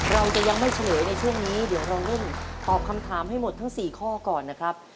เราจะยังไม่เฉลยในช่วงนี้เดี๋ยวเราเล่นตอบคำถามให้หมดทั้ง๔ข้อก่อนนะครับ